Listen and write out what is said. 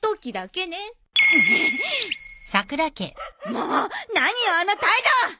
もう何よあの態度！